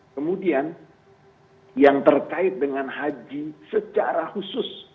kemudian yang terkait dengan haji secara khusus